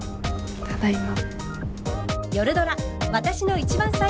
ただいま。